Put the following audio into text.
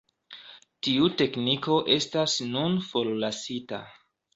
Tiu tekniko estas nun forlasita.